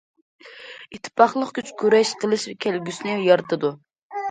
ئىتتىپاقلىق كۈچ، كۈرەش قىلىش كەلگۈسىنى يارىتىدۇ.